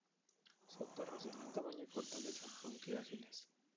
Son perros de gran tamaño y fortaleza, aunque ágiles.